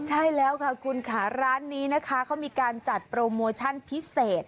ใช่แล้วค่ะคุณค่ะร้านนี้นะคะเขามีการจัดโปรโมชั่นพิเศษ